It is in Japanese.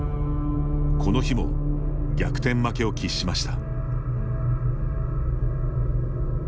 この日も逆転負けを喫しました。